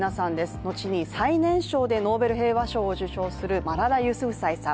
のちに最年少でノーベル平和賞を受賞するマララ・ユスフザイさん。